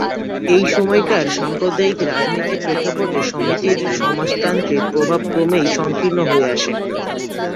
ওই সময়কার সাম্প্রদায়িক রাজনীতির প্রেক্ষাপটে সমিতিতে সমাজতান্ত্রিক প্রভাব ক্রমেই সংকীর্ণ হয়ে আসে।